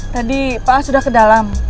tadi pak sudah ke dalam